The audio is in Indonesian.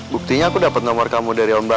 buktinya aku dapet nomor kamu dari ombang ombang